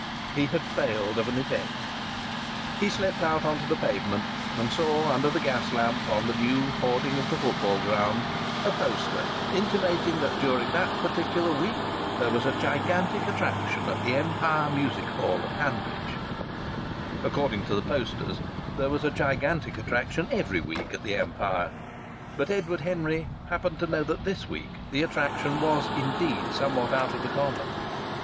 He had failed of an effect! He slipped out on to the pavement and saw, under the gas lamp, on the new hoarding of the football ground, a poster intimating that during that particular week there was a gigantic attraction at the Empire Music Hall at Hanbridge. According to the posters there was a gigantic attraction every week at the Empire, but Edward Henry happened to know that this week the attraction was indeed somewhat out of the common.